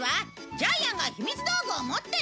ジャイアンがひみつ道具を持ってる？